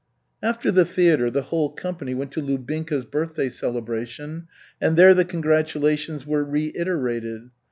After the theatre the whole company went to Lubinka's birthday celebration, and there the congratulations were reiterated.